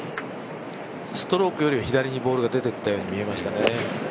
ストロークよりは左にボールが出ていったように見えましたね。